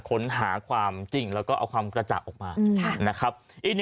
ค้นหาความจริงแล้วก็เอาความกระจ่างออกมานะครับ